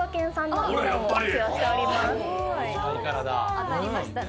当たりましたね。